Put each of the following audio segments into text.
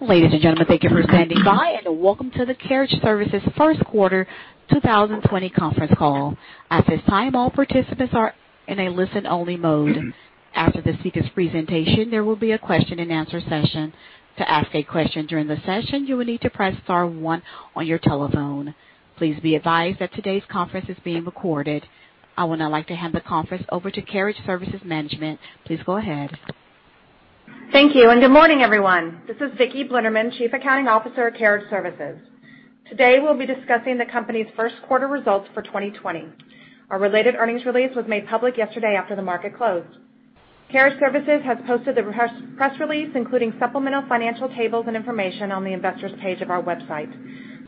Ladies and gentlemen, thank you for standing by, and welcome to the Carriage Services first quarter 2020 conference call. At this time, all participants are in a listen-only mode. After the speaker's presentation, there will be a question and answer session. To ask a question during the session, you will need to press star one on your telephone. Please be advised that today's conference is being recorded. I would now like to hand the conference over to Carriage Services Management. Please go ahead. Thank you, good morning, everyone. This is Viki Blinderman, Chief Accounting Officer at Carriage Services. Today, we'll be discussing the company's first quarter results for 2020. Our related earnings release was made public yesterday after the market closed. Carriage Services has posted the press release, including supplemental financial tables and information on the investor's page of our website.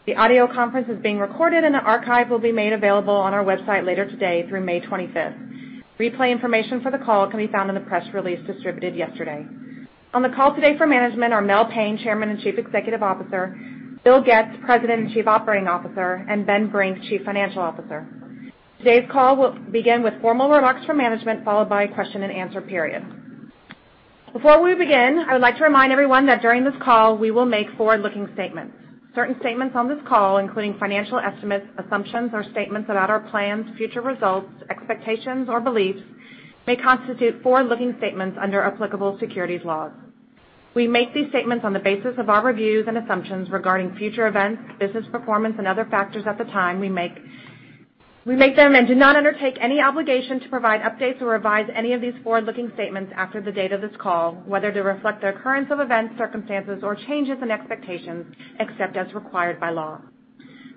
The audio conference is being recorded, and the archive will be made available on our website later today through May 25th. Replay information for the call can be found in the press release distributed yesterday. On the call today for management are Mel Payne, Chairman and Chief Executive Officer, Bill Goetz, President and Chief Operating Officer, and Ben Brink, Chief Financial Officer. Today's call will begin with formal remarks from management, followed by a question and answer period. Before we begin, I would like to remind everyone that during this call, we will make forward-looking statements. Certain statements on this call, including financial estimates, assumptions, or statements about our plans, future results, expectations, or beliefs, may constitute forward-looking statements under applicable securities laws. We make these statements on the basis of our reviews and assumptions regarding future events, business performance, and other factors at the time we make them and do not undertake any obligation to provide updates or revise any of these forward-looking statements after the date of this call, whether to reflect the occurrence of events, circumstances, or changes in expectations, except as required by law.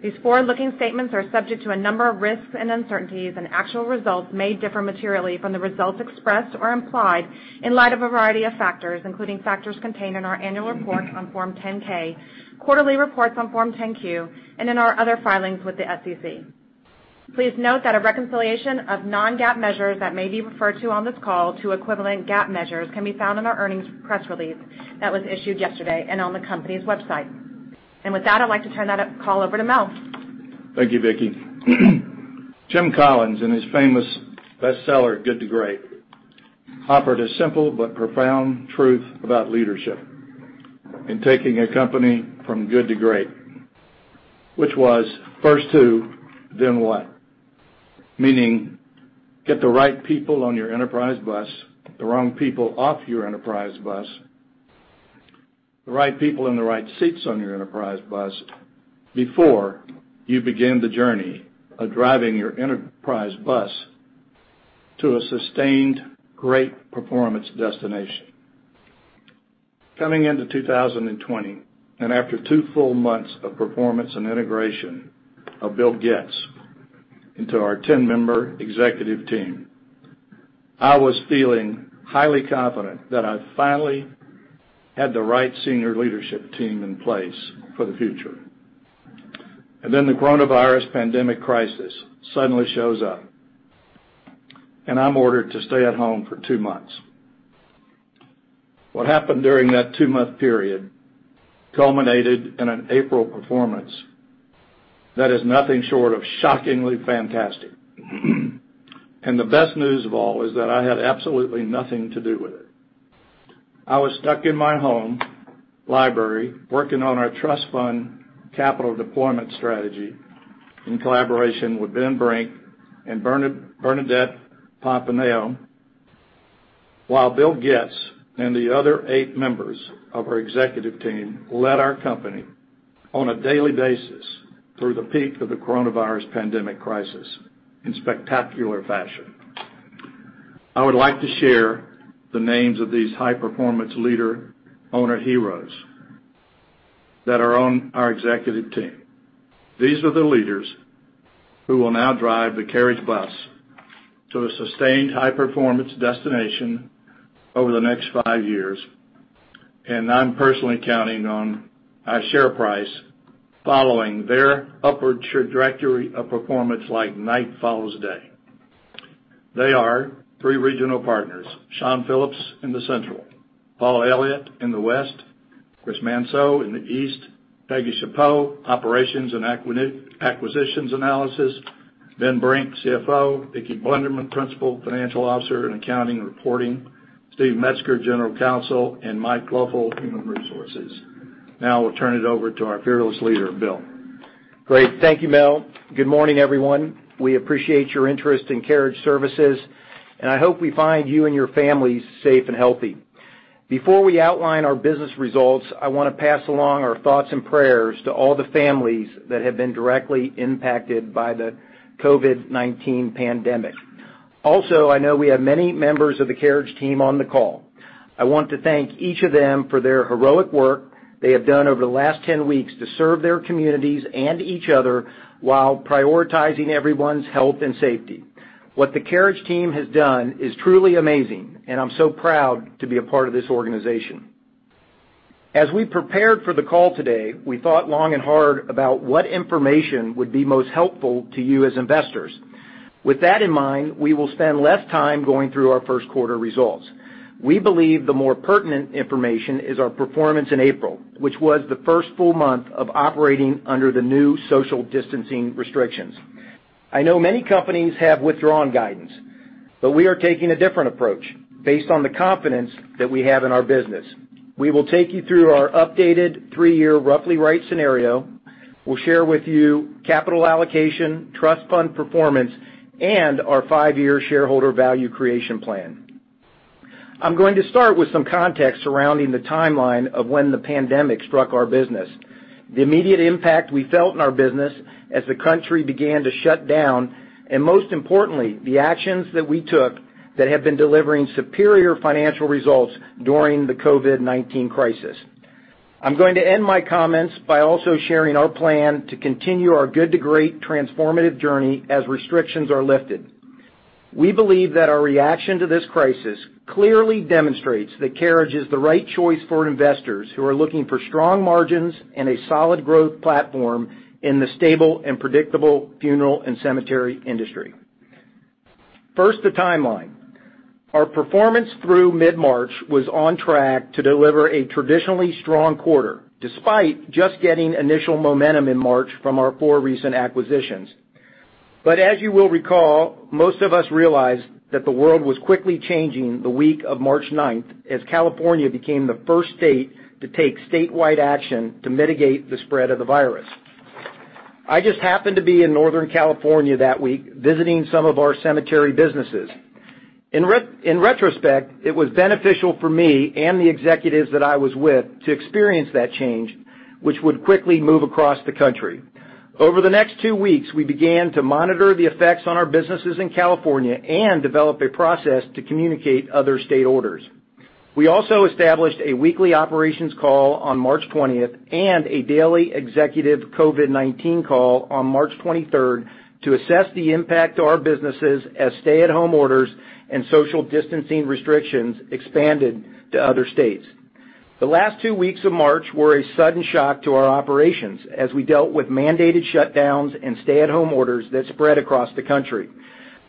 These forward-looking statements are subject to a number of risks and uncertainties, actual results may differ materially from the results expressed or implied in light of a variety of factors, including factors contained in our annual report on Form 10-K, quarterly reports on Form 10-Q, and in our other filings with the SEC. Please note that a reconciliation of non-GAAP measures that may be referred to on this call to equivalent GAAP measures can be found in our earnings press release that was issued yesterday and on the company's website. With that, I'd like to turn that call over to Mel. Thank you, Viki. Jim Collins, in his famous bestseller, "Good to Great," offered a simple but profound truth about leadership in taking a company from good to great, which was, "First who, then what," meaning get the right people on your enterprise bus, the wrong people off your enterprise bus, the right people in the right seats on your enterprise bus before you begin the journey of driving your enterprise bus to a sustained great performance destination. Coming into 2020, and after two full months of performance and integration of Bill Goetz into our 10-member executive team, I was feeling highly confident that I finally had the right senior leadership team in place for the future. Then the coronavirus pandemic crisis suddenly shows up, and I'm ordered to stay at home for two months. What happened during that two-month period culminated in an April performance that is nothing short of shockingly fantastic. The best news of all is that I had absolutely nothing to do with it. I was stuck in my home library working on our trust fund capital deployment strategy in collaboration with Ben Brink and Bernadette Pomponio, while Bill Goetz and the other eight members of our executive team led our company on a daily basis through the peak of the coronavirus pandemic crisis in spectacular fashion. I would like to share the names of these high-performance leader owner heroes that are on our executive team. These are the leaders who will now drive the Carriage bus to a sustained high-performance destination over the next five years, and I'm personally counting on our share price following their upward trajectory of performance like night follows day. They are three regional partners, Shawn Phillips in the central, Paul Elliott in the west, Chris Manceaux in the east, Peggy Schappaugh, operations and acquisitions analysis, Ben Brink, CFO, Viki Blinderman, Principal Financial Officer in accounting and reporting, Steve Metzger, General Counsel, and Mike Loeffel, human resources. We'll turn it over to our fearless leader, Bill. Great. Thank you, Mel. Good morning, everyone. We appreciate your interest in Carriage Services. I hope we find you and your families safe and healthy. Before we outline our business results, I want to pass along our thoughts and prayers to all the families that have been directly impacted by the COVID-19 pandemic. I know we have many members of the Carriage team on the call. I want to thank each of them for their heroic work they have done over the last 10 weeks to serve their communities and each other while prioritizing everyone's health and safety. What the Carriage team has done is truly amazing. I'm so proud to be a part of this organization. As we prepared for the call today, we thought long and hard about what information would be most helpful to you as investors. With that in mind, we will spend less time going through our first quarter results. We believe the more pertinent information is our performance in April, which was the first full month of operating under the new social distancing restrictions. I know many companies have withdrawn guidance, but we are taking a different approach based on the confidence that we have in our business. We will take you through our updated three-year roughly right scenario. We'll share with you capital allocation, trust fund performance, and our five-year shareholder value creation plan. I'm going to start with some context surrounding the timeline of when the pandemic struck our business, the immediate impact we felt in our business as the country began to shut down, and most importantly, the actions that we took that have been delivering superior financial results during the COVID-19 crisis. I'm going to end my comments by also sharing our plan to continue our Good to Great transformative journey as restrictions are lifted. We believe that our reaction to this crisis clearly demonstrates that Carriage is the right choice for investors who are looking for strong margins and a solid growth platform in the stable and predictable funeral and cemetery industry. First, the timeline. Our performance through mid-March was on track to deliver a traditionally strong quarter, despite just getting initial momentum in March from our four recent acquisitions. But as you will recall, most of us realized that the world was quickly changing the week of March ninth, as California became the first state to take statewide action to mitigate the spread of the virus. I just happened to be in Northern California that week visiting some of our cemetery businesses. In retrospect, it was beneficial for me and the executives that I was with to experience that change, which would quickly move across the country. Over the next two weeks, we began to monitor the effects on our businesses in California and develop a process to communicate other state orders. We also established a weekly operations call on March 20th and a daily executive COVID-19 call on March 23rd to assess the impact to our businesses as stay-at-home orders and social distancing restrictions expanded to other states. The last two weeks of March were a sudden shock to our operations as we dealt with mandated shutdowns and stay-at-home orders that spread across the country.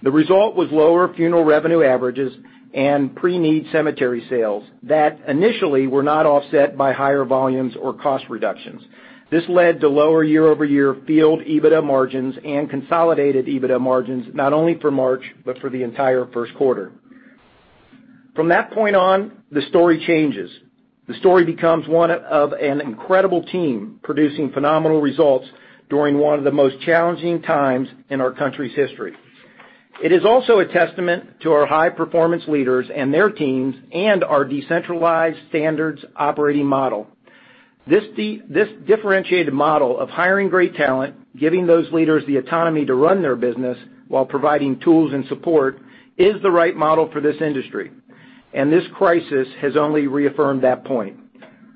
The result was lower funeral revenue averages and pre-need cemetery sales that initially were not offset by higher volumes or cost reductions. This led to lower year-over-year field EBITDA margins and consolidated EBITDA margins, not only for March, but for the entire first quarter. From that point on, the story changes. The story becomes one of an incredible team producing phenomenal results during one of the most challenging times in our country's history. It is also a testament to our high-performance leaders and their teams and our decentralized standards operating model. This differentiated model of hiring great talent, giving those leaders the autonomy to run their business while providing tools and support is the right model for this industry, and this crisis has only reaffirmed that point.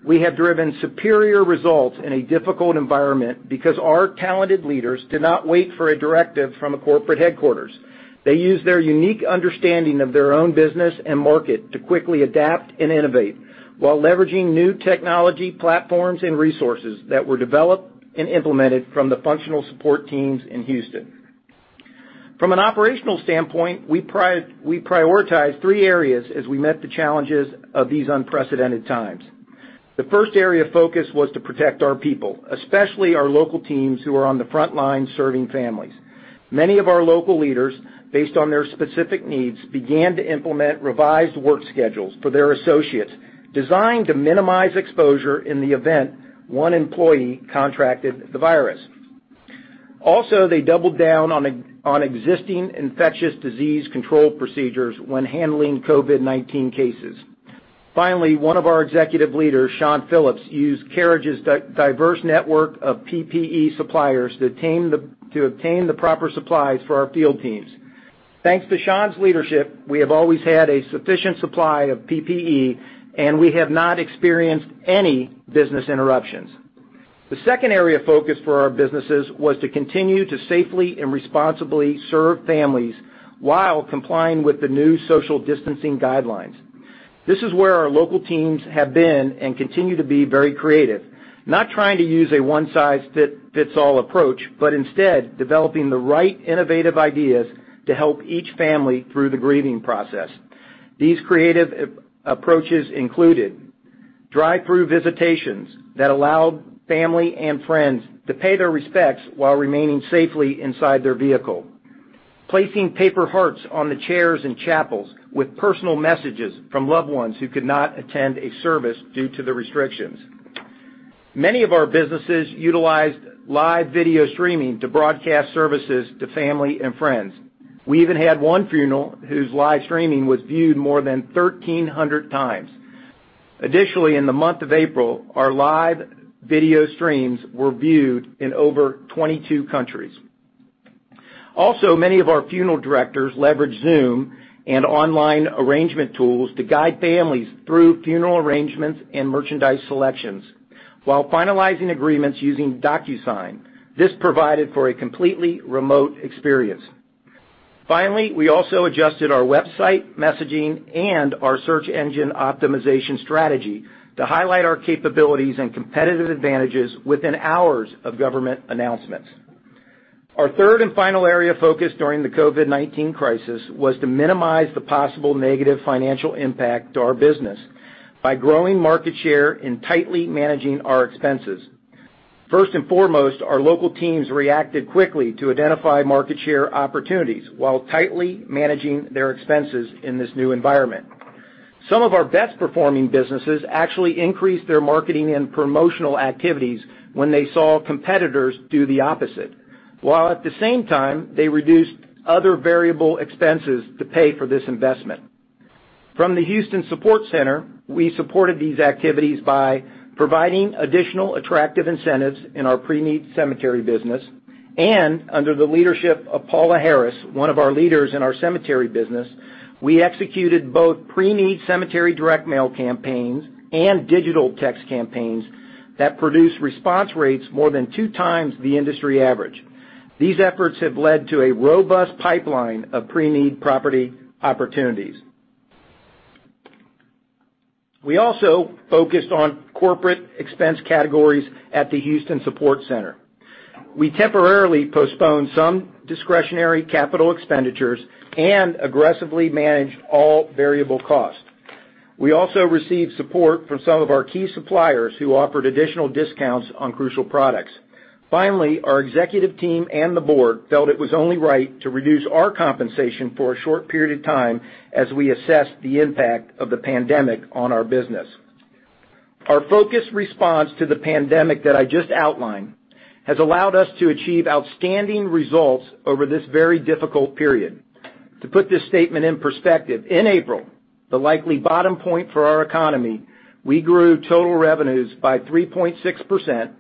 We have driven superior results in a difficult environment because our talented leaders did not wait for a directive from a corporate headquarters. They used their unique understanding of their own business and market to quickly adapt and innovate while leveraging new technology platforms and resources that were developed and implemented from the functional support teams in Houston. From an operational standpoint, we prioritized three areas as we met the challenges of these unprecedented times. The first area of focus was to protect our people, especially our local teams who are on the front line serving families. Many of our local leaders, based on their specific needs, began to implement revised work schedules for their associates, designed to minimize exposure in the event one employee contracted the virus. They doubled down on existing infectious disease control procedures when handling COVID-19 cases. Finally, one of our executive leaders, Shawn Phillips, used Carriage's diverse network of PPE suppliers to obtain the proper supplies for our field teams. Thanks to Shawn's leadership, we have always had a sufficient supply of PPE, and we have not experienced any business interruptions. The second area of focus for our businesses was to continue to safely and responsibly serve families while complying with the new social distancing guidelines. This is where our local teams have been and continue to be very creative, not trying to use a one-size-fits-all approach, but instead developing the right innovative ideas to help each family through the grieving process. These creative approaches included drive-thru visitations that allowed family and friends to pay their respects while remaining safely inside their vehicle, placing paper hearts on the chairs in chapels with personal messages from loved ones who could not attend a service due to the restrictions. Many of our businesses utilized live video streaming to broadcast services to family and friends. We even had one funeral whose live streaming was viewed more than 1,300 times. Additionally, in the month of April, our live video streams were viewed in over 22 countries. Many of our funeral directors leveraged Zoom and online arrangement tools to guide families through funeral arrangements and merchandise selections while finalizing agreements using DocuSign. This provided for a completely remote experience. We also adjusted our website messaging and our search engine optimization strategy to highlight our capabilities and competitive advantages within hours of government announcements. Our third and final area of focus during the COVID-19 crisis was to minimize the possible negative financial impact to our business by growing market share and tightly managing our expenses. Our local teams reacted quickly to identify market share opportunities while tightly managing their expenses in this new environment. Some of our best performing businesses actually increased their marketing and promotional activities when they saw competitors do the opposite, while at the same time, they reduced other variable expenses to pay for this investment. From the Houston Support Center, we supported these activities by providing additional attractive incentives in our pre-need cemetery business. Under the leadership of Paula Harris, one of our leaders in our cemetery business, we executed both pre-need cemetery direct mail campaigns and digital text campaigns that produce response rates more than 2 times the industry average. These efforts have led to a robust pipeline of pre-need property opportunities. We also focused on corporate expense categories at the Houston Support Center. We temporarily postponed some discretionary capital expenditures and aggressively managed all variable costs. We also received support from some of our key suppliers who offered additional discounts on crucial products. Our executive team and the Board felt it was only right to reduce our compensation for a short period of time as we assess the impact of the pandemic on our business. Our focused response to the pandemic that I just outlined has allowed us to achieve outstanding results over this very difficult period. To put this statement in perspective, in April, the likely bottom point for our economy, we grew total revenues by 3.6%,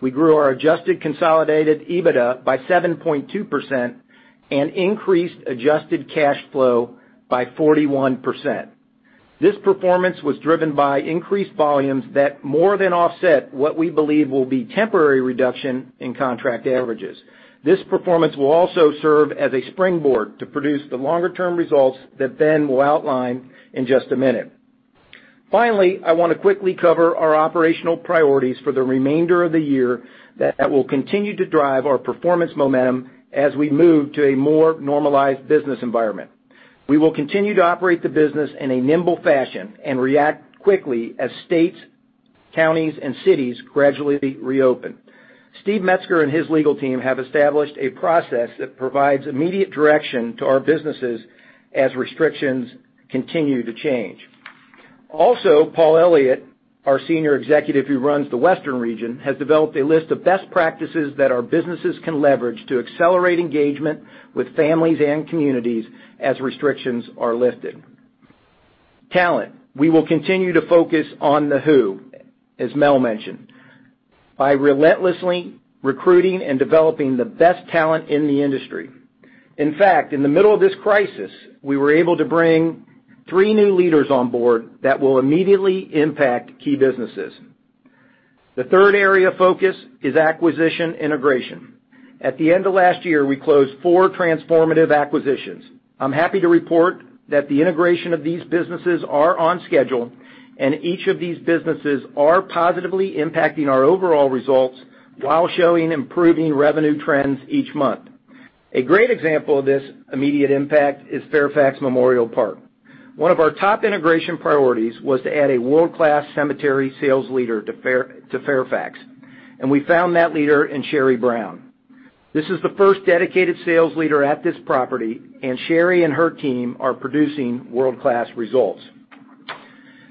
we grew our adjusted consolidated EBITDA by 7.2%, and increased adjusted cash flow by 41%. This performance was driven by increased volumes that more than offset what we believe will be temporary reduction in contract averages. This performance will also serve as a springboard to produce the longer-term results that Ben will outline in just a minute. Finally, I want to quickly cover our operational priorities for the remainder of the year that will continue to drive our performance momentum as we move to a more normalized business environment. We will continue to operate the business in a nimble fashion and react quickly as states, counties, and cities gradually reopen. Steve Metzger and his legal team have established a process that provides immediate direction to our businesses as restrictions continue to change. Paul Elliott, our senior executive who runs the Western region, has developed a list of best practices that our businesses can leverage to accelerate engagement with families and communities as restrictions are lifted. Talent, we will continue to focus on the who, as Mel mentioned, by relentlessly recruiting and developing the best talent in the industry. In fact, in the middle of this crisis, we were able to bring three new leaders on board that will immediately impact key businesses. The third area of focus is acquisition integration. At the end of last year, we closed four transformative acquisitions. I'm happy to report that the integration of these businesses are on schedule, and each of these businesses are positively impacting our overall results while showing improving revenue trends each month. A great example of this immediate impact is Fairfax Memorial Park. One of our top integration priorities was to add a world-class cemetery sales leader to Fairfax, and we found that leader in Sherry Brown. This is the first dedicated sales leader at this property, and Sherry and her team are producing world-class results.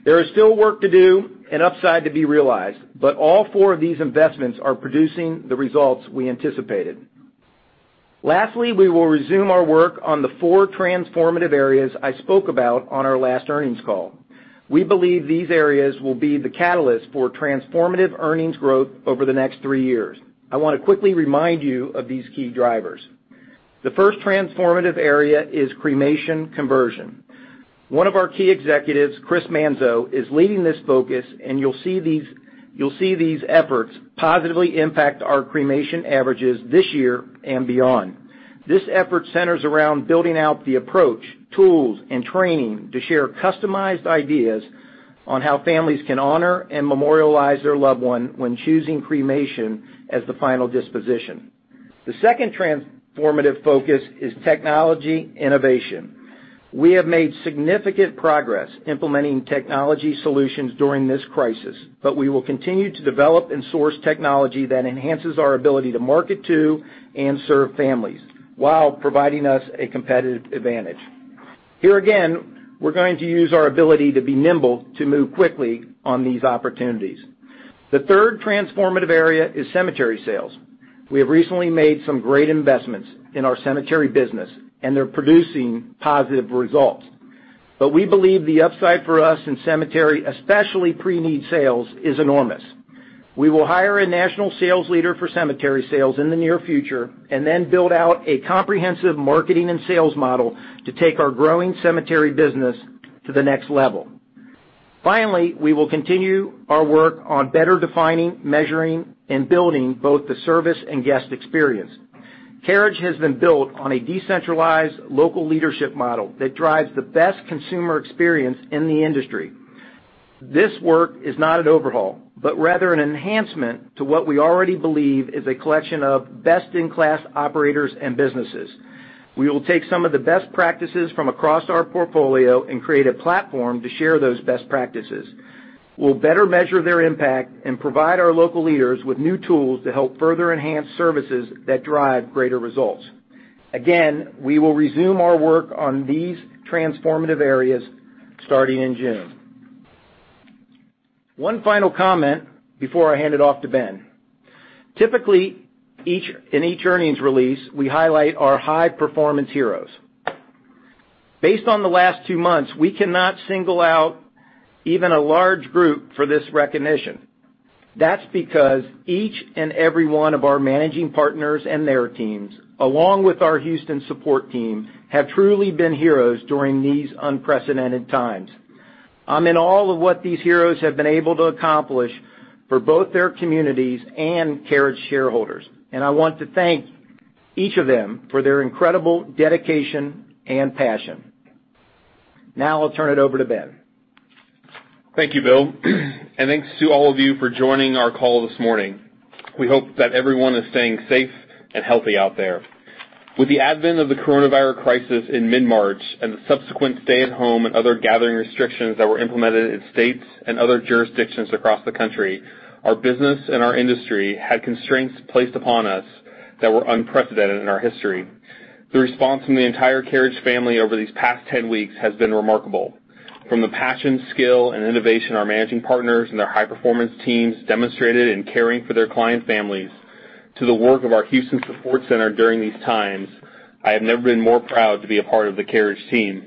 There is still work to do and upside to be realized, but all four of these investments are producing the results we anticipated. Lastly, we will resume our work on the four transformative areas I spoke about on our last earnings call. We believe these areas will be the catalyst for transformative earnings growth over the next three years. I want to quickly remind you of these key drivers. The first transformative area is cremation conversion. One of our key executives, Chris Manceaux, is leading this focus, and you'll see these efforts positively impact our cremation averages this year and beyond. This effort centers around building out the approach, tools, and training to share customized ideas on how families can honor and memorialize their loved one when choosing cremation as the final disposition. The second transformative focus is technology innovation. We have made significant progress implementing technology solutions during this crisis, but we will continue to develop and source technology that enhances our ability to market to and serve families while providing us a competitive advantage. Here again, we're going to use our ability to be nimble to move quickly on these opportunities. The third transformative area is cemetery sales. We have recently made some great investments in our cemetery business, and they're producing positive results. We believe the upside for us in cemetery, especially pre-need sales, is enormous. We will hire a national sales leader for cemetery sales in the near future and then build out a comprehensive marketing and sales model to take our growing cemetery business to the next level. Finally, we will continue our work on better defining, measuring, and building both the service and guest experience. Carriage has been built on a decentralized local leadership model that drives the best consumer experience in the industry. This work is not an overhaul, but rather an enhancement to what we already believe is a collection of best-in-class operators and businesses. We will take some of the best practices from across our portfolio and create a platform to share those best practices. We'll better measure their impact and provide our local leaders with new tools to help further enhance services that drive greater results. We will resume our work on these transformative areas starting in June. One final comment before I hand it off to Ben. Typically, in each earnings release, we highlight our high-performance heroes. Based on the last two months, we cannot single out even a large group for this recognition. That's because each and every one of our managing partners and their teams, along with our Houston Support Team, have truly been heroes during these unprecedented times. I'm in awe of what these heroes have been able to accomplish for both their communities and Carriage shareholders, and I want to thank each of them for their incredible dedication and passion. Now I'll turn it over to Ben. Thank you, Bill. Thanks to all of you for joining our call this morning. We hope that everyone is staying safe and healthy out there. With the advent of the Coronavirus crisis in mid-March and the subsequent stay-at-home and other gathering restrictions that were implemented in states and other jurisdictions across the country, our business and our industry had constraints placed upon us that were unprecedented in our history. The response from the entire Carriage family over these past 10 weeks has been remarkable. From the passion, skill, and innovation our managing partners and their high-performance teams demonstrated in caring for their client families, to the work of our Houston Support Center during these times, I have never been more proud to be a part of the Carriage team.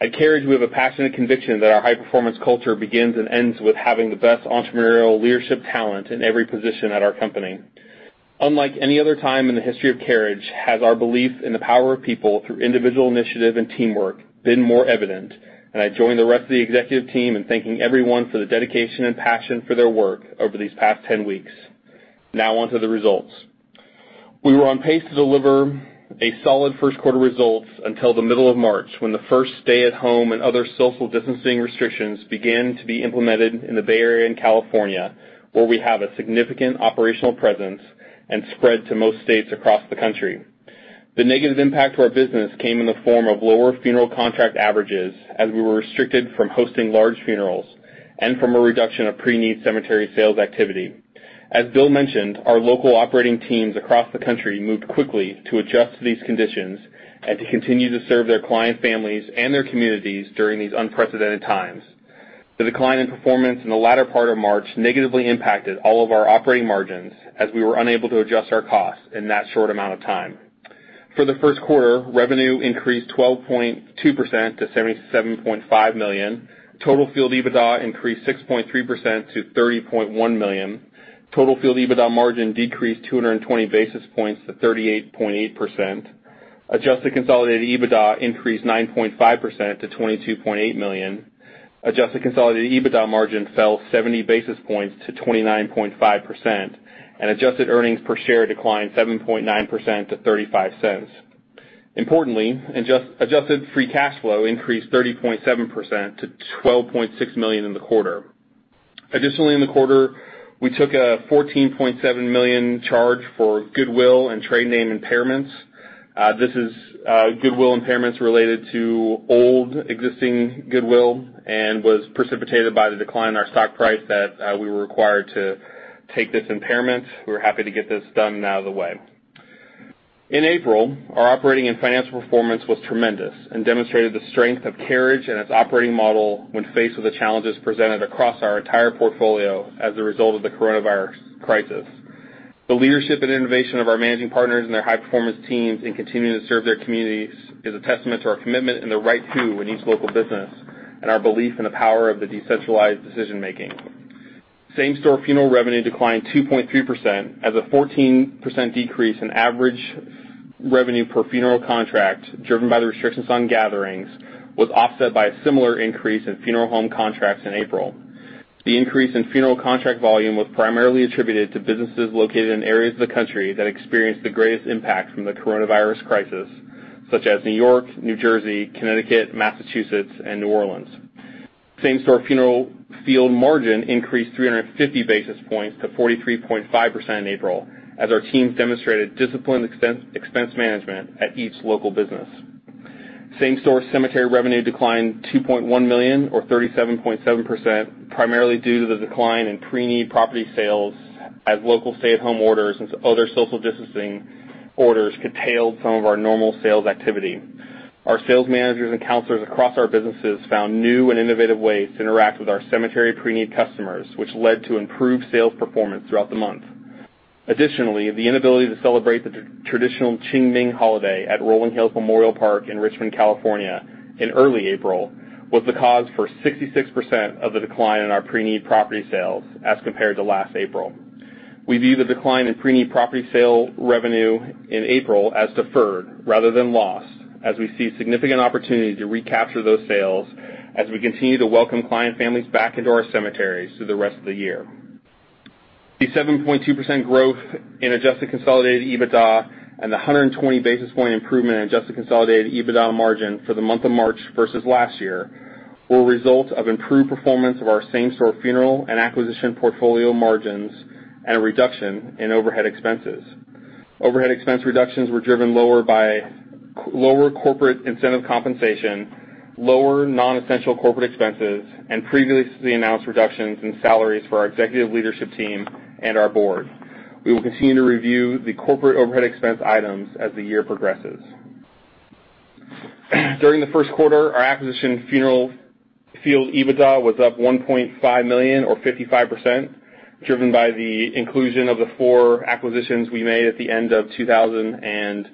At Carriage, we have a passionate conviction that our high-performance culture begins and ends with having the best entrepreneurial leadership talent in every position at our company. Unlike any other time in the history of Carriage has our belief in the power of people through individual initiative and teamwork been more evident. I join the rest of the executive team in thanking everyone for the dedication and passion for their work over these past 10 weeks. Now onto the results. We were on pace to deliver a solid first quarter result until the middle of March, when the first stay-at-home and other social distancing restrictions began to be implemented in the Bay Area in California, where we have a significant operational presence, and spread to most states across the country. The negative impact to our business came in the form of lower funeral contract averages as we were restricted from hosting large funerals and from a reduction of pre-need cemetery sales activity. As Bill mentioned, our local operating teams across the country moved quickly to adjust to these conditions and to continue to serve their client families and their communities during these unprecedented times. The decline in performance in the latter part of March negatively impacted all of our operating margins as we were unable to adjust our costs in that short amount of time. For the first quarter, revenue increased 12.2% to $77.5 million. Total field EBITDA increased 6.3% to $30.1 million. Total field EBITDA margin decreased 220 basis points to 38.8%. Adjusted consolidated EBITDA increased 9.5% to $22.8 million. Adjusted consolidated EBITDA margin fell 70 basis points to 29.5%, and adjusted earnings per share declined 7.9% to $0.35. Importantly, adjusted free cash flow increased 30.7% to $12.6 million in the quarter. Additionally, in the quarter, we took a $14.7 million charge for goodwill and trade name impairments. This is goodwill impairments related to old existing goodwill and was precipitated by the decline in our stock price that we were required to take this impairment. We're happy to get this done and out of the way. In April, our operating and financial performance was tremendous and demonstrated the strength of Carriage and its operating model when faced with the challenges presented across our entire portfolio as a result of the coronavirus crisis. The leadership and innovation of our managing partners and their high-performance teams in continuing to serve their communities is a testament to our commitment and the right too in each local business, and our belief in the power of the decentralized decision-making. Same-store funeral revenue declined 2.3% as a 14% decrease in average revenue per funeral contract driven by the restrictions on gatherings was offset by a similar increase in funeral home contracts in April. The increase in funeral contract volume was primarily attributed to businesses located in areas of the country that experienced the greatest impact from the coronavirus crisis, such as New York, New Jersey, Connecticut, Massachusetts, and New Orleans. Same-store funeral field margin increased 350 basis points to 43.5% in April, as our teams demonstrated disciplined expense management at each local business. Same-store cemetery revenue declined $2.1 million or 37.7%, primarily due to the decline in pre-need property sales as local stay-at-home orders and other social distancing orders curtailed some of our normal sales activity. Our sales managers and counselors across our businesses found new and innovative ways to interact with our cemetery pre-need customers, which led to improved sales performance throughout the month. The inability to celebrate the traditional Qingming holiday at Rolling Hills Memorial Park in Richmond, California, in early April, was the cause for 66% of the decline in our pre-need property sales as compared to last April. We view the decline in pre-need property sale revenue in April as deferred rather than lost, as we see significant opportunity to recapture those sales as we continue to welcome client families back into our cemeteries through the rest of the year. The 7.2% growth in adjusted consolidated EBITDA and the 120 basis points improvement in adjusted consolidated EBITDA margin for the month of March versus last year will result of improved performance of our same-store funeral and acquisition portfolio margins and a reduction in overhead expenses. Overhead expense reductions were driven lower by lower corporate incentive compensation, lower non-essential corporate expenses, and previously announced reductions in salaries for our executive leadership team and our board. We will continue to review the corporate overhead expense items as the year progresses. During the first quarter, our acquisition funeral field EBITDA was up $1.5 million or 55%, driven by the inclusion of the four acquisitions we made at the end of 2019.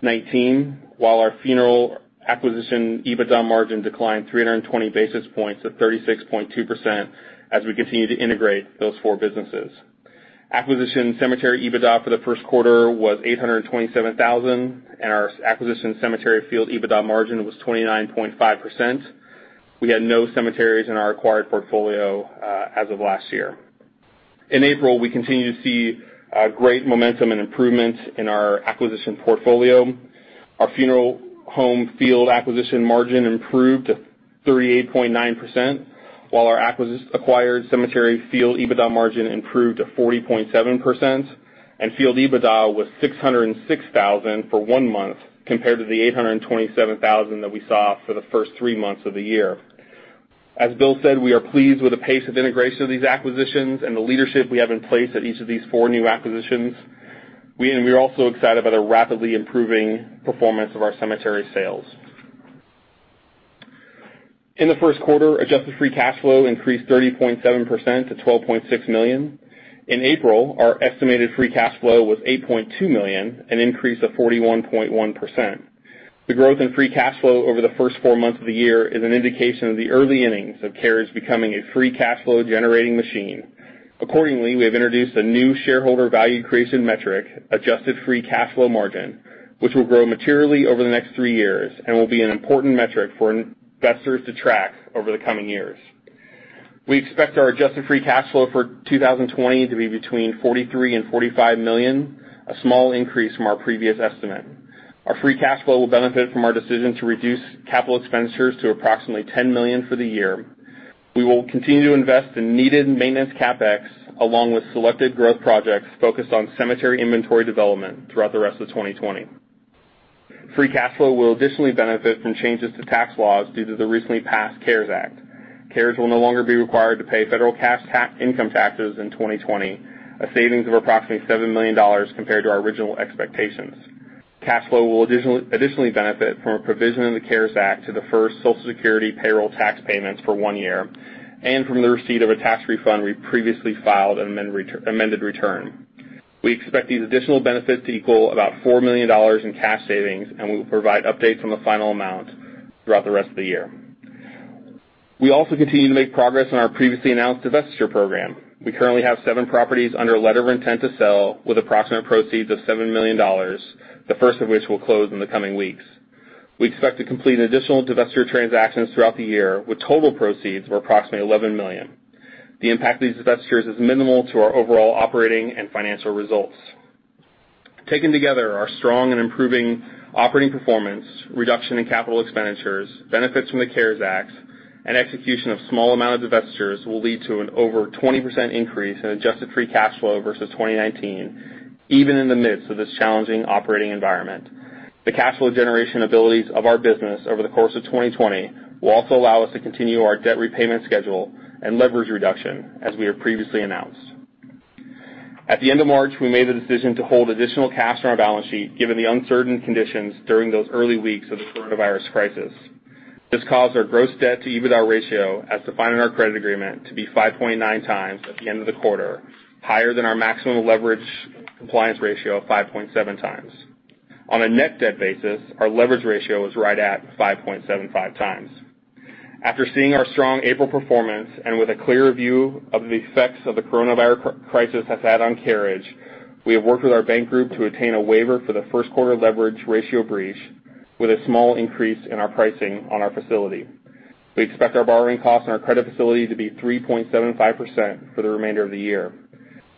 While our funeral acquisition EBITDA margin declined 320 basis points to 36.2% as we continue to integrate those four businesses. Acquisition cemetery EBITDA for the first quarter was $827,000. Our acquisition cemetery field EBITDA margin was 29.5%. We had no cemeteries in our acquired portfolio as of last year. In April, we continue to see great momentum and improvements in our acquisition portfolio. Our funeral home field acquisition margin improved to 38.9%, while our acquired cemetery field EBITDA margin improved to 40.7%. Field EBITDA was $606,000 for one month compared to the $827,000 that we saw for the first three months of the year. As Bill said, we are pleased with the pace of integration of these acquisitions and the leadership we have in place at each of these four new acquisitions. We're also excited about a rapidly improving performance of our cemetery sales. In the first quarter, adjusted free cash flow increased 30.7% to $12.6 million. In April, our estimated free cash flow was $8.2 million, an increase of 41.1%. The growth in free cash flow over the first four months of the year is an indication of the early innings of Carriage becoming a free cash flow-generating machine. Accordingly, we have introduced a new shareholder value creation metric, adjusted free cash flow margin, which will grow materially over the next three years and will be an important metric for investors to track over the coming years. We expect our adjusted free cash flow for 2020 to be between $43 million and $45 million, a small increase from our previous estimate. Our free cash flow will benefit from our decision to reduce CapEx to approximately $10 million for the year. We will continue to invest in needed maintenance CapEx, along with selected growth projects focused on cemetery inventory development throughout the rest of 2020. Free cash flow will additionally benefit from changes to tax laws due to the recently passed CARES Act. Carriage will no longer be required to pay federal income taxes in 2020, a savings of approximately $7 million compared to our original expectations. Cash flow will additionally benefit from a provision in the CARES Act to defer Social Security payroll tax payments for one year and from the receipt of a tax refund we previously filed an amended return. We expect these additional benefits to equal about $4 million in cash savings. We will provide updates on the final amount throughout the rest of the year. We also continue to make progress on our previously announced divestiture program. We currently have seven properties under a letter of intent to sell with approximate proceeds of $7 million, the first of which will close in the coming weeks. We expect to complete additional divestiture transactions throughout the year with total proceeds of approximately $11 million. The impact of these divestitures is minimal to our overall operating and financial results. Taken together, our strong and improving operating performance, reduction in CapEx, benefits from the CARES Act, and execution of small amount of divestitures will lead to an over 20% increase in adjusted free cash flow versus 2019, even in the midst of this challenging operating environment. The cash flow generation abilities of our business over the course of 2020 will also allow us to continue our debt repayment schedule and leverage reduction as we have previously announced. At the end of March, we made the decision to hold additional cash on our balance sheet, given the uncertain conditions during those early weeks of the coronavirus crisis. This caused our gross debt-to-EBITDA ratio, as defined in our credit agreement, to be 5.9 times at the end of the quarter, higher than our maximum leverage compliance ratio of 5.7 times. On a net debt basis, our leverage ratio is right at 5.75 times. After seeing our strong April performance and with a clearer view of the effects the coronavirus crisis has had on Carriage, we have worked with our bank group to attain a waiver for the first quarter leverage ratio breach with a small increase in our pricing on our facility. We expect our borrowing cost on our credit facility to be 3.75% for the remainder of the year.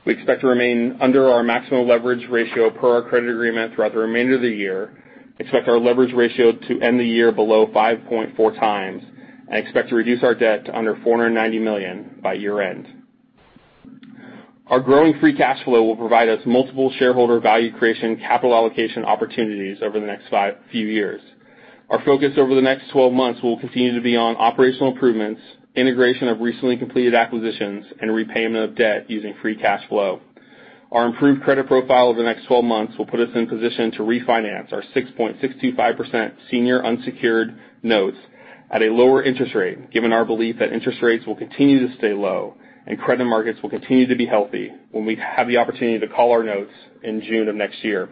We expect to remain under our maximum leverage ratio per our credit agreement throughout the remainder of the year, expect our leverage ratio to end the year below 5.4 times and expect to reduce our debt to under $490 million by year-end. Our growing free cash flow will provide us multiple shareholder value creation capital allocation opportunities over the next few years. Our focus over the next 12 months will continue to be on operational improvements, integration of recently completed acquisitions, and repayment of debt using free cash flow. Our improved credit profile over the next 12 months will put us in position to refinance our 6.65% senior unsecured notes at a lower interest rate, given our belief that interest rates will continue to stay low and credit markets will continue to be healthy when we have the opportunity to call our notes in June of next year.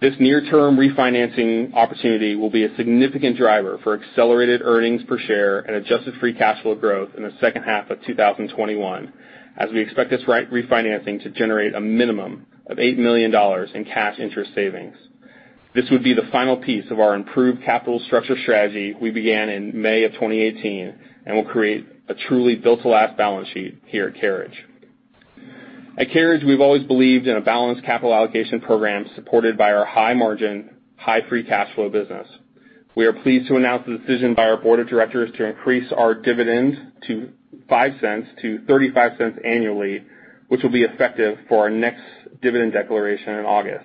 This near-term refinancing opportunity will be a significant driver for accelerated earnings per share and adjusted free cash flow growth in the second half of 2021, as we expect this refinancing to generate a minimum of $8 million in cash interest savings. This would be the final piece of our improved capital structure strategy we began in May of 2018 and will create a truly built-to-last balance sheet here at Carriage. At Carriage, we've always believed in a balanced capital allocation program supported by our high-margin, high free cash flow business. We are pleased to announce the decision by our board of directors to increase our dividends to $0.05 to $0.35 annually, which will be effective for our next dividend declaration in August.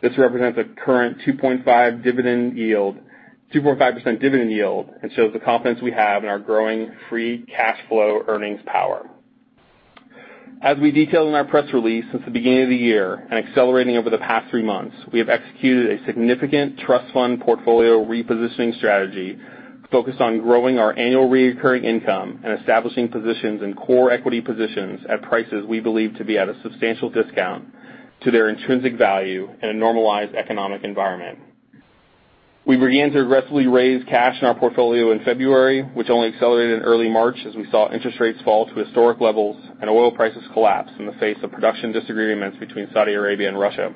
This represents a current 2.5% dividend yield and shows the confidence we have in our growing free cash flow earnings power. As we detailed in our press release, since the beginning of the year, and accelerating over the past three months, we have executed a significant trust fund portfolio repositioning strategy focused on growing our annual reoccurring income and establishing positions in core equity positions at prices we believe to be at a substantial discount to their intrinsic value in a normalized economic environment. We began to aggressively raise cash in our portfolio in February, which only accelerated in early March as we saw interest rates fall to historic levels and oil prices collapse in the face of production disagreements between Saudi Arabia and Russia.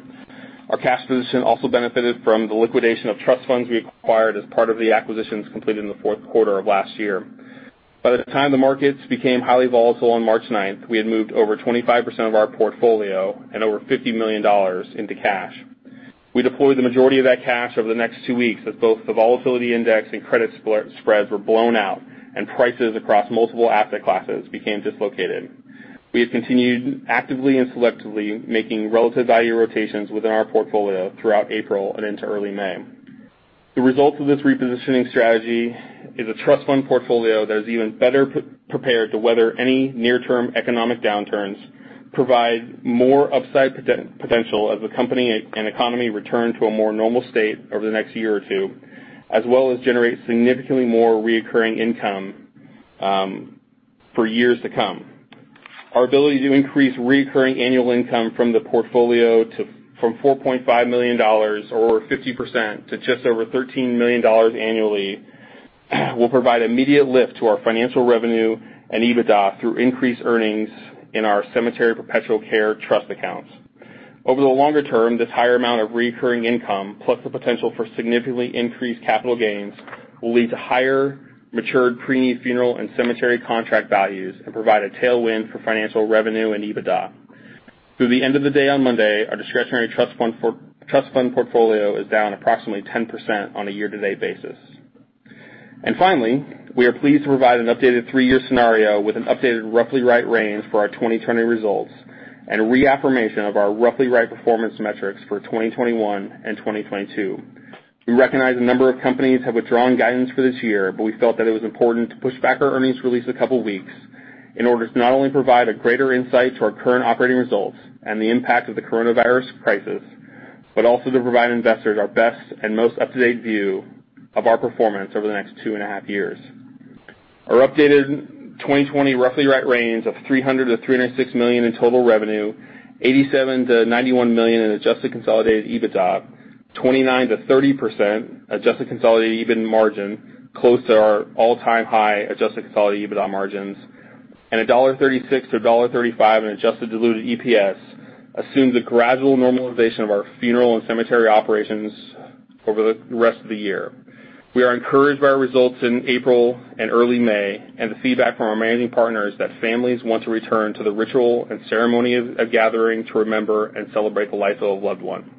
Our cash position also benefited from the liquidation of trust funds we acquired as part of the acquisitions completed in the fourth quarter of last year. By the time the markets became highly volatile on March 9th, we had moved over 25% of our portfolio and over $50 million into cash. We deployed the majority of that cash over the next two weeks as both the volatility index and credit spreads were blown out and prices across multiple asset classes became dislocated. We have continued actively and selectively making relative value rotations within our portfolio throughout April and into early May. The result of this repositioning strategy is a trust fund portfolio that is even better prepared to weather any near-term economic downturns, provide more upside potential as the company and economy return to a more normal state over the next year or two, as well as generate significantly more recurring income for years to come. Our ability to increase recurring annual income from the portfolio from $4.5 million, or 50%, to just over $13 million annually will provide immediate lift to our financial revenue and EBITDA through increased earnings in our cemetery perpetual care trust accounts. Over the longer term, this higher amount of recurring income, plus the potential for significantly increased capital gains, will lead to higher matured pre-need funeral and cemetery contract values and provide a tailwind for financial revenue and EBITDA. Through the end of the day on Monday, our discretionary trust fund portfolio is down approximately 10% on a year-to-date basis. Finally, we are pleased to provide an updated three-year scenario with an updated roughly right range for our 2020 results and reaffirmation of our roughly right performance metrics for 2021 and 2022. We recognize a number of companies have withdrawn guidance for this year, but we felt that it was important to push back our earnings release a couple weeks in order to not only provide a greater insight to our current operating results and the impact of the coronavirus crisis, but also to provide investors our best and most up-to-date view of our performance over the next two and a half years. Our updated 2020 roughly right range of $300 million-$306 million in total revenue, $87 million-$91 million in adjusted consolidated EBITDA, 29%-30% adjusted consolidated EBITDA margin, close to our all-time high adjusted consolidated EBITDA margins, and $1.36-$1.35 in adjusted diluted EPS assumes a gradual normalization of our funeral and cemetery operations over the rest of the year. We are encouraged by our results in April and early May, and the feedback from our managing partners that families want to return to the ritual and ceremony of gathering to remember and celebrate the life of a loved one.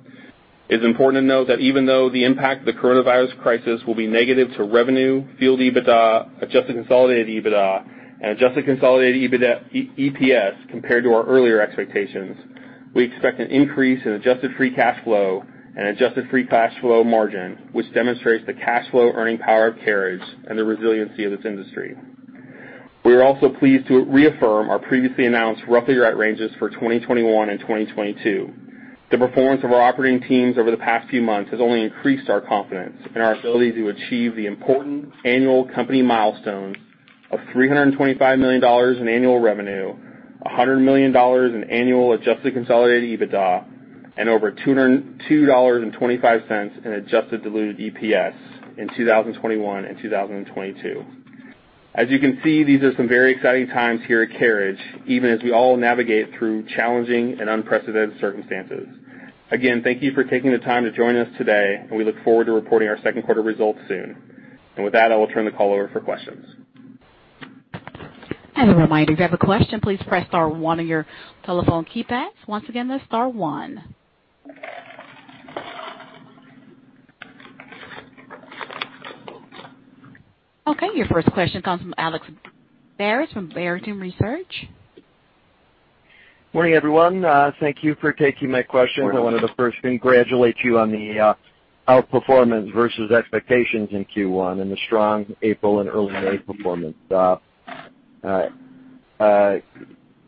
It's important to note that even though the impact of the COVID-19 will be negative to revenue, field EBITDA, adjusted consolidated EBITDA, and adjusted consolidated EPS compared to our earlier expectations, we expect an increase in adjusted free cash flow and adjusted free cash flow margin, which demonstrates the cash flow earning power of Carriage and the resiliency of this industry. We are also pleased to reaffirm our previously announced roughly right ranges for 2021 and 2022. The performance of our operating teams over the past few months has only increased our confidence in our ability to achieve the important annual company milestones of $325 million in annual revenue, $100 million in annual adjusted consolidated EBITDA, and over $2.25 in adjusted diluted EPS in 2021 and 2022. As you can see, these are some very exciting times here at Carriage, even as we all navigate through challenging and unprecedented circumstances. Again, thank you for taking the time to join us today, and we look forward to reporting our second quarter results soon. With that, I will turn the call over for questions. As a reminder, if you have a question, please press star one on your telephone keypads. Once again, that's star one. Okay, your first question comes from Alex Paris from Barrington Research. Good morning, everyone. Thank you for taking my question. I wanted to first congratulate you on the outperformance versus expectations in Q1 and the strong April and early May performance. I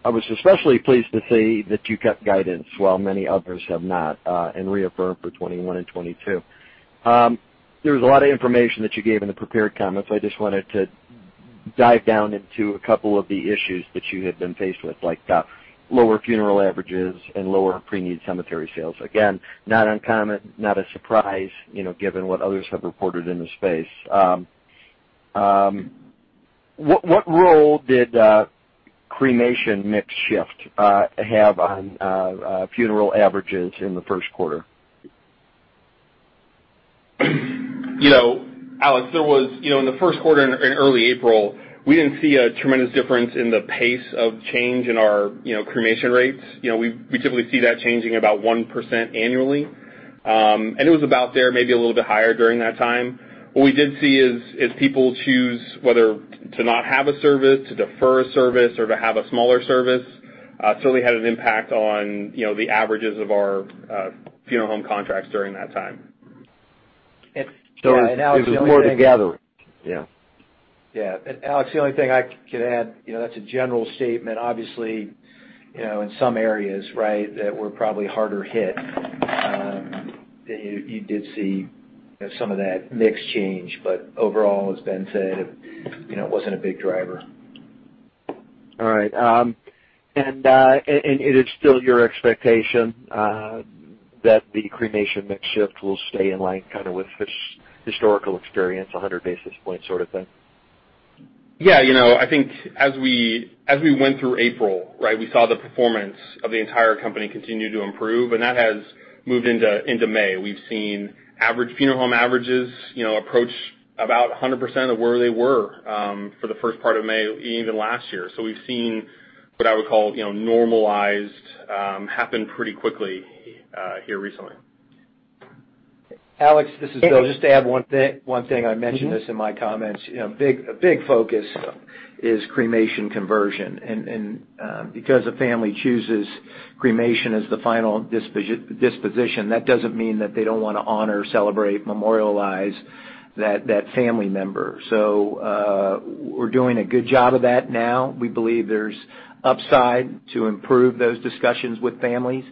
was especially pleased to see that you kept guidance while many others have not, and reaffirmed for 2021 and 2022. There was a lot of information that you gave in the prepared comments. I just wanted to dive down into a couple of the issues that you had been faced with, like lower funeral averages and lower pre-need cemetery sales, not uncommon, not a surprise, given what others have reported in the space. What role did cremation mix shift have on funeral averages in the first quarter? Alex, in the first quarter in early April, we didn't see a tremendous difference in the pace of change in our cremation rates. We typically see that changing about 1% annually. It was about there, maybe a little bit higher during that time. What we did see is, as people choose whether to not have a service, to defer a service, or to have a smaller service, certainly had an impact on the averages of our funeral home contracts during that time. It was more together. Yeah. Yeah. Alex, the only thing I can add, that's a general statement. Obviously, in some areas that were probably harder hit, you did see some of that mix change. Overall, as Ben said, it wasn't a big driver. All right. It is still your expectation that the cremation mix shift will stay in line with historical experience, 100 basis point sort of thing? I think as we went through April, we saw the performance of the entire company continue to improve, and that has moved into May. We've seen funeral home averages approach about 100% of where they were for the first part of May even last year. We've seen what I would call normalized happen pretty quickly here recently. Alex, this is Bill. Just to add one thing, I mentioned this in my comments. A big focus is cremation conversion. Because a family chooses cremation as the final disposition, that doesn't mean that they don't want to honor, celebrate, memorialize that family member. We're doing a good job of that now. We believe there's upside to improve those discussions with families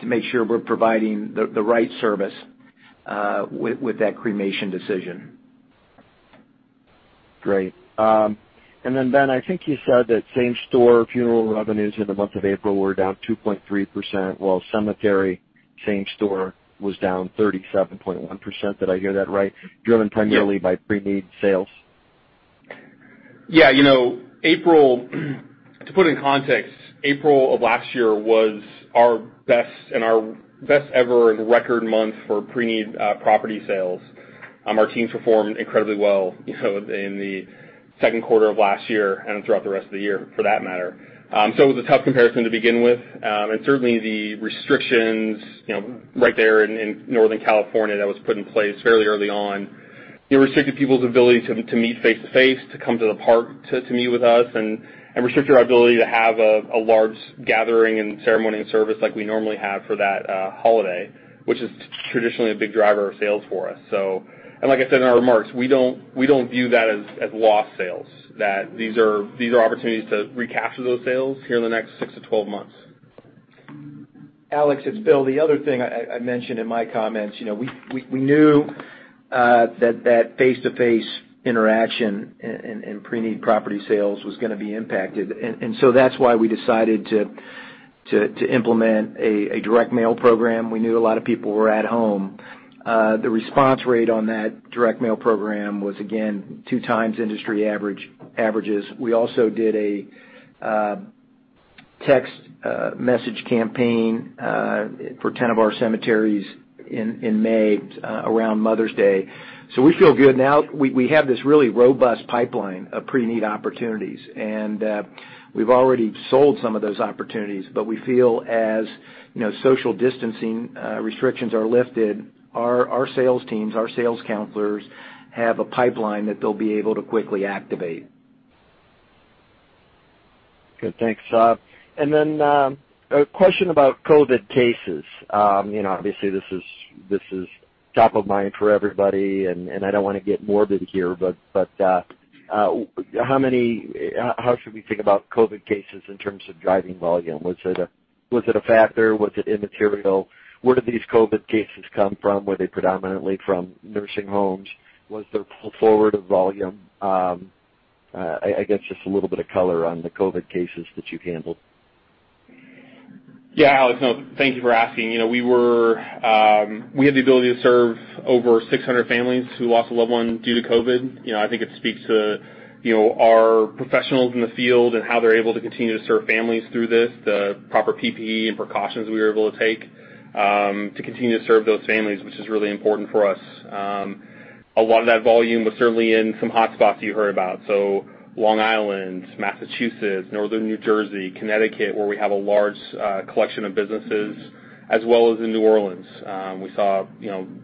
to make sure we're providing the right service with that cremation decision. Great. Ben, I think you said that same-store funeral revenues in the month of April were down 2.3%, while cemetery same store was down 37.1%. Did I hear that right? Driven primarily by pre-need sales. Yeah. To put in context, April of last year was our best ever and record month for pre-need property sales. Our teams performed incredibly well in the second quarter of last year and throughout the rest of the year, for that matter. It was a tough comparison to begin with. Certainly, the restrictions right there in Northern California that was put in place fairly early on restricted people's ability to meet face-to-face, to come to the park to meet with us, and restricted our ability to have a large gathering and ceremony and service like we normally have for that holiday, which is traditionally a big driver of sales for us. Like I said in our remarks, we don't view that as lost sales, that these are opportunities to recapture those sales here in the next 6-12 months. Alex, it's Bill. The other thing I mentioned in my comments, we knew that that face-to-face interaction and pre-need property sales was going to be impacted. That's why we decided to implement a direct mail program. We knew a lot of people were at home. The response rate on that direct mail program was, again, two times industry averages. We also did a text message campaign for 10 of our cemeteries in May around Mother's Day. We feel good. Now, we have this really robust pipeline of pre-need opportunities. We've already sold some of those opportunities. We feel as social distancing restrictions are lifted, our sales teams, our sales counselors have a pipeline that they'll be able to quickly activate. Good. Thanks. A question about COVID cases. Obviously, this is top of mind for everybody, and I don't want to get morbid here, but how should we think about COVID cases in terms of driving volume? Was it a factor? Was it immaterial? Where did these COVID cases come from? Were they predominantly from nursing homes? Was there pull forward of volume? I guess just a little bit of color on the COVID cases that you handled. Alex, no, thank you for asking. We had the ability to serve over 600 families who lost a loved one due to COVID. I think it speaks to our professionals in the field and how they're able to continue to serve families through this, the proper PPE and precautions we were able to take to continue to serve those families, which is really important for us. A lot of that volume was certainly in some hot spots you heard about. Long Island, Massachusetts, northern New Jersey, Connecticut, where we have a large collection of businesses, as well as in New Orleans. We saw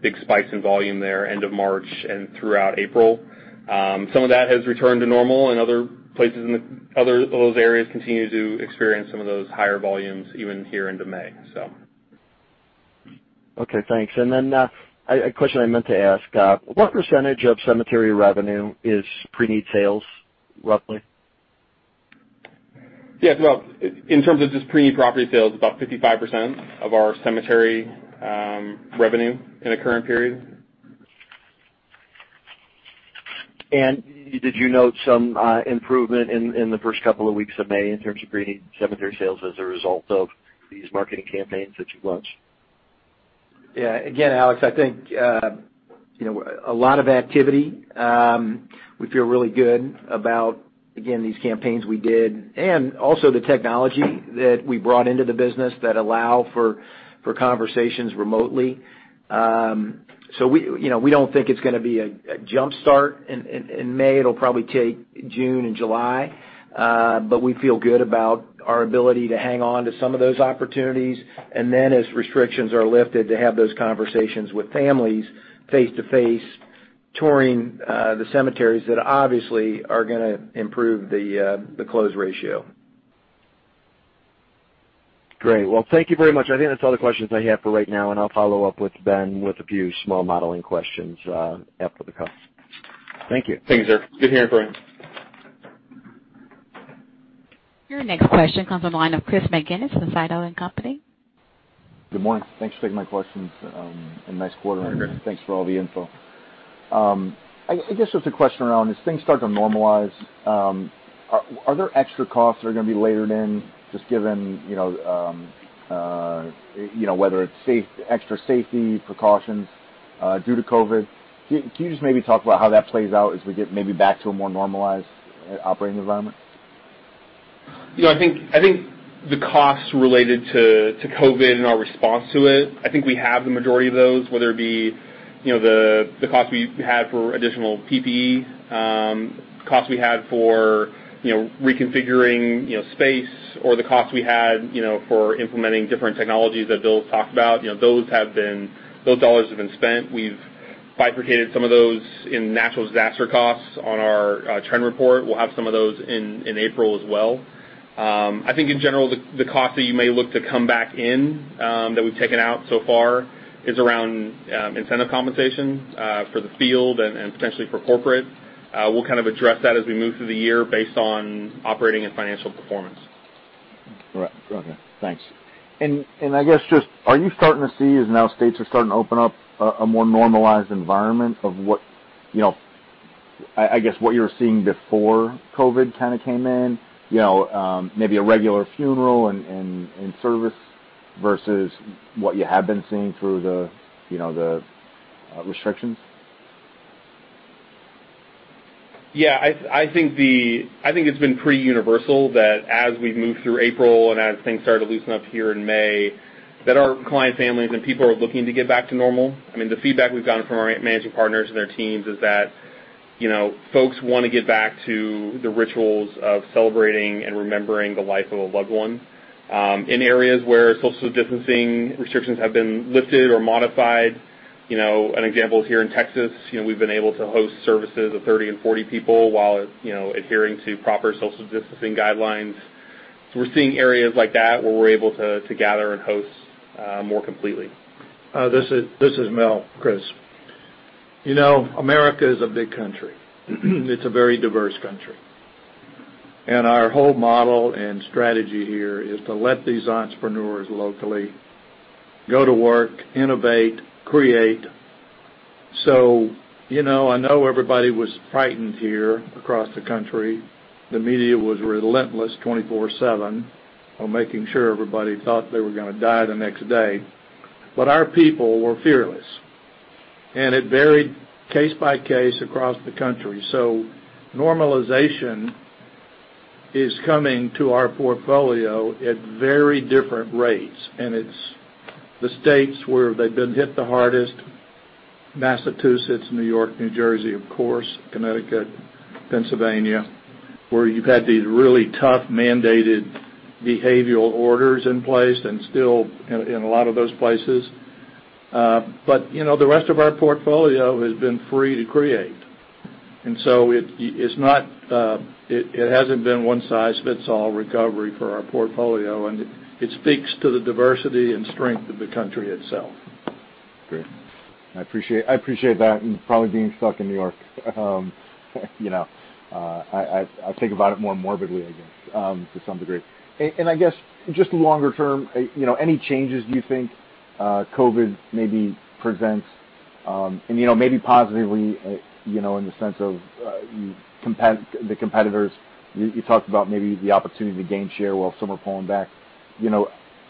big spikes in volume there end of March and throughout April. Some of that has returned to normal, and other places in those areas continue to experience some of those higher volumes even here into May. Okay, thanks. A question I meant to ask, what percentage of cemetery revenue is pre-need sales, roughly? Yeah. In terms of just pre-need property sales, about 55% of our cemetery revenue in the current period. Did you note some improvement in the first couple of weeks of May in terms of pre-need cemetery sales as a result of these marketing campaigns that you launched? Yeah. Again, Alex, I think a lot of activity. We feel really good about, again, these campaigns we did, and also the technology that we brought into the business that allow for conversations remotely. We don't think it's going to be a jump start in May. It'll probably take June and July, but we feel good about our ability to hang on to some of those opportunities, and then as restrictions are lifted, to have those conversations with families face-to-face, touring the cemeteries that obviously are going to improve the close ratio. Great. Well, thank you very much. I think that's all the questions I have for right now. I'll follow up with Ben with a few small modeling questions after the call. Thank you. Thanks, sir. Good hearing from you. Your next question comes on the line of Chris McGinnis from Sidoti & Company. Good morning. Thanks for taking my questions, and nice quarter. Hi, Chris. Thanks for all the info. I guess just a question around, as things start to normalize, are there extra costs that are going to be layered in, just given whether it's extra safety precautions due to COVID? Can you just maybe talk about how that plays out as we get maybe back to a more normalized operating environment? I think the costs related to COVID-19 and our response to it, I think we have the majority of those, whether it be the cost we had for additional PPE, costs we had for reconfiguring space or the costs we had for implementing different technologies that Bill's talked about. Those dollars have been spent. We've bifurcated some of those in natural disaster costs on our trend report. We'll have some of those in April as well. I think in general, the cost that you may look to come back in, that we've taken out so far is around incentive compensation for the field and potentially for corporate. We'll kind of address that as we move through the year based on operating and financial performance. Right. Okay, thanks. I guess just, are you starting to see, as now states are starting to open up a more normalized environment of what you were seeing before COVID kind of came in? Maybe a regular funeral and service versus what you have been seeing through the restrictions? Yeah, I think it's been pretty universal that as we've moved through April and as things started to loosen up here in May, that our client families and people are looking to get back to normal. The feedback we've gotten from our managing partners and their teams is that folks want to get back to the rituals of celebrating and remembering the life of a loved one. In areas where social distancing restrictions have been lifted or modified, an example is here in Texas, we've been able to host services of 30 and 40 people while adhering to proper social distancing guidelines. We're seeing areas like that where we're able to gather and host more completely. This is Mel, Chris. America is a big country. It's a very diverse country. Our whole model and strategy here is to let these entrepreneurs locally go to work, innovate, create. I know everybody was frightened here across the country. The media was relentless 24/7 on making sure everybody thought they were going to die the next day, but our people were fearless. It varied case by case across the country. Normalization is coming to our portfolio at very different rates, and it's the states where they've been hit the hardest, Massachusetts, New York, New Jersey, of course, Connecticut, Pennsylvania, where you've had these really tough mandated behavioral orders in place and still in a lot of those places. The rest of our portfolio has been free to create. It hasn't been one-size-fits-all recovery for our portfolio, and it speaks to the diversity and strength of the country itself. Great. I appreciate that. Probably being stuck in New York, I think about it more morbidly, I guess, to some degree. I guess, just longer term, any changes you think COVID maybe presents, and maybe positively in the sense of the competitors? You talked about maybe the opportunity to gain share while some are pulling back.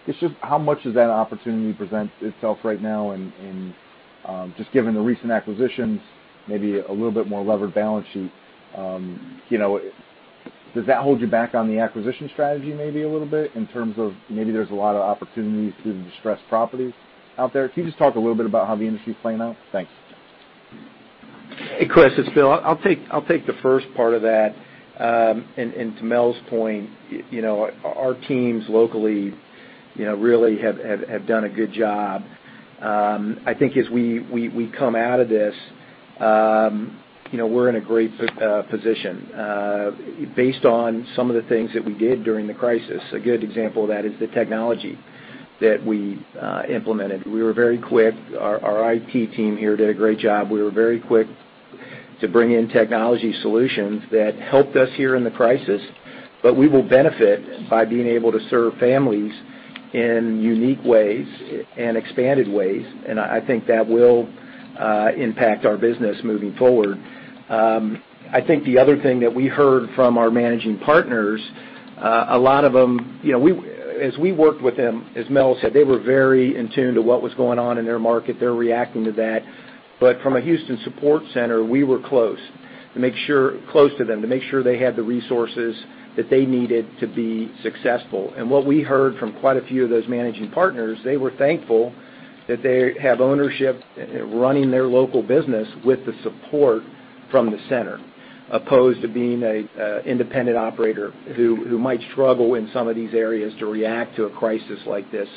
It's just how much does that opportunity present itself right now, and just given the recent acquisitions, maybe a little bit more levered balance sheet, does that hold you back on the acquisition strategy maybe a little bit in terms of maybe there's a lot of opportunities through the distressed properties out there? Can you just talk a little bit about how the industry's playing out? Thanks. Hey, Chris. It's Bill. I'll take the first part of that. To Mel's point, our teams locally really have done a good job. I think as we come out of this, we're in a great position based on some of the things that we did during the crisis. A good example of that is the technology that we implemented. We were very quick. Our IT team here did a great job. We were very quick to bring in technology solutions that helped us here in the crisis, but we will benefit by being able to serve families in unique ways and expanded ways, and I think that will impact our business moving forward. I think the other thing that we heard from our managing partners, a lot of them, as we worked with them, as Mel said, they were very in tune to what was going on in their market. They were reacting to that. From a Houston Support Center, we were close to them, to make sure they had the resources that they needed to be successful. What we heard from quite a few of those managing partners, they were thankful that they have ownership running their local business with the support from the center, opposed to being an independent operator who might struggle in some of these areas to react to a crisis like this.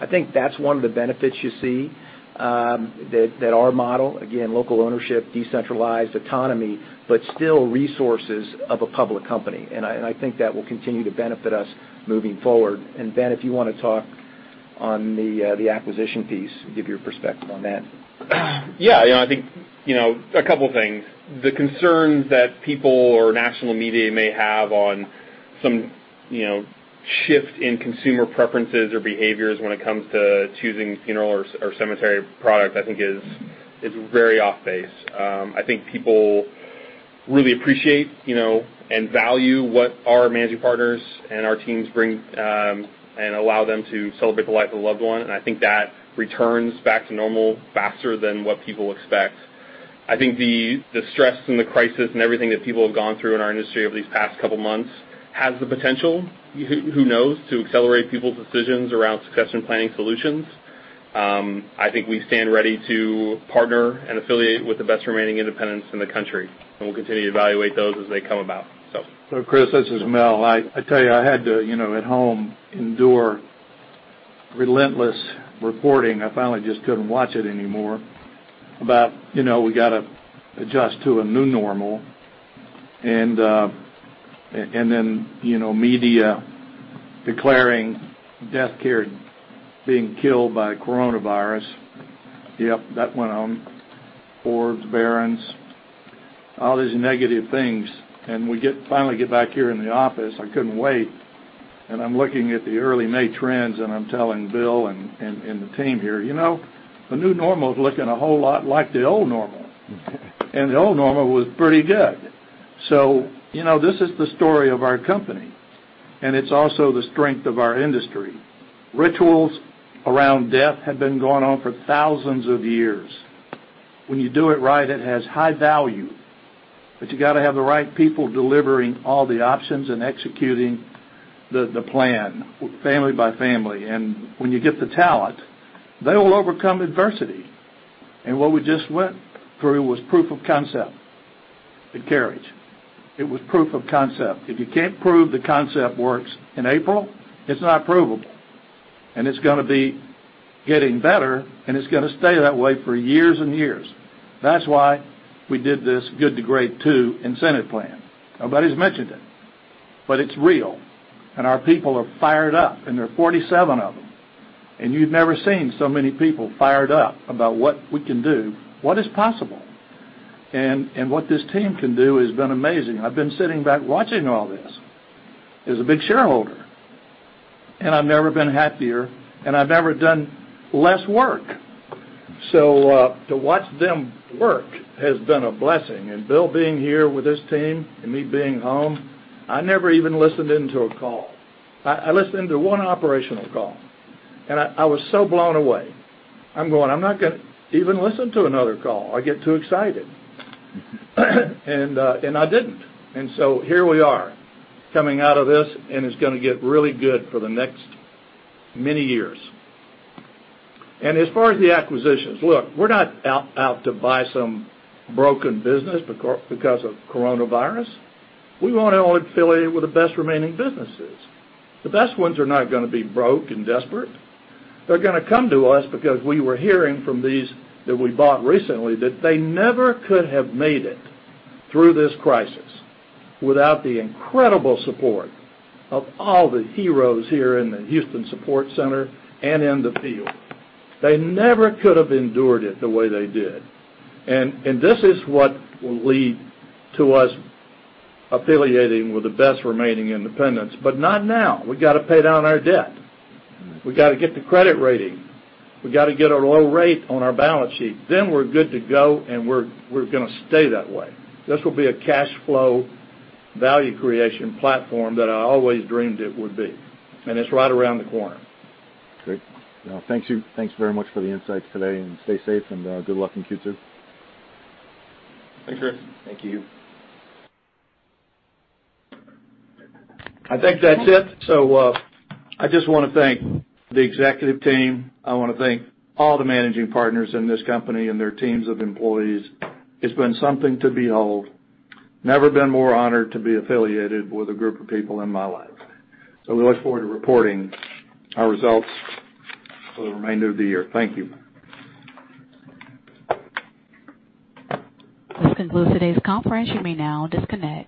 I think that's one of the benefits you see that our model, again, local ownership, decentralized autonomy, but still resources of a public company. I think that will continue to benefit us moving forward. Ben, if you want to talk on the acquisition piece and give your perspective on that. Yeah. I think a couple things. The concerns that people or national media may have on some shift in consumer preferences or behaviors when it comes to choosing funeral or cemetery product, I think is very off-base. I think people really appreciate and value what our managing partners and our teams bring, and allow them to celebrate the life of a loved one, and I think that returns back to normal faster than what people expect. I think the stress and the crisis and everything that people have gone through in our industry over these past couple months has the potential, who knows, to accelerate people's decisions around succession planning solutions. I think we stand ready to partner and affiliate with the best remaining independents in the country, and we'll continue to evaluate those as they come about. Chris, this is Mel. I tell you, I had to, at home, endure relentless reporting. I finally just couldn't watch it anymore, about we got to adjust to a new normal, and then media declaring deathcare being killed by coronavirus. Yep, that went on. Forbes, Barron's, all these negative things. We finally get back here in the office, I couldn't wait, and I'm looking at the early May trends, and I'm telling Bill and the team here, "You know, the new normal is looking a whole lot like the old normal." The old normal was pretty good. This is the story of our company, and it's also the strength of our industry. Rituals around death have been going on for thousands of years. When you do it right, it has high value. You got to have the right people delivering all the options and executing the plan family by family. When you get the talent, they will overcome adversity. What we just went through was proof of concept at Carriage. It was proof of concept. If you can't prove the concept works in April, it's not provable. It's gonna be getting better, and it's gonna stay that way for years and years. That's why we did this Good to Great II incentive plan. Nobody's mentioned it, but it's real, and our people are fired up, and there are 47 of them. You've never seen so many people fired up about what we can do, what is possible. What this team can do has been amazing. I've been sitting back watching all this as a big shareholder. I've never been happier. I've never done less work. To watch them work has been a blessing. Bill being here with his team and me being home, I never even listened in to a call. I listened in to one operational call, and I was so blown away. I'm going, "I'm not gonna even listen to another call. I get too excited." I didn't. Here we are, coming out of this, and it's gonna get really good for the next many years. As far as the acquisitions, look, we're not out to buy some broken business because of coronavirus. We want to only affiliate with the best remaining businesses. The best ones are not gonna be broke and desperate. They're gonna come to us because we were hearing from these that we bought recently that they never could have made it through this crisis without the incredible support of all the heroes here in the Houston Support Center and in the field. They never could have endured it the way they did. This is what will lead to us affiliating with the best remaining independents, but not now. We got to pay down our debt. We got to get the credit rating. We got to get a low rate on our balance sheet. We're good to go, and we're gonna stay that way. This will be a cash flow value creation platform that I always dreamed it would be. It's right around the corner. Great. Mel, thank you. Thanks very much for the insights today, and stay safe, and good luck in Q2. Thanks, Chris. Thank you. I think that's it. I just want to thank the executive team. I want to thank all the managing partners in this company and their teams of employees. It's been something to behold. Never been more honored to be affiliated with a group of people in my life. We look forward to reporting our results for the remainder of the year. Thank you. This concludes today's conference. You may now disconnect.